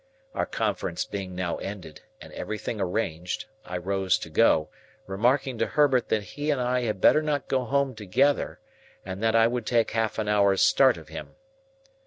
Our conference being now ended, and everything arranged, I rose to go; remarking to Herbert that he and I had better not go home together, and that I would take half an hour's start of him.